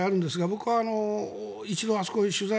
僕は一度あそこへ取材